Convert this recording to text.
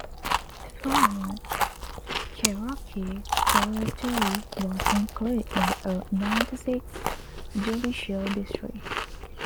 This former Cherokee territory was included in the Ninety-Six Judicial District.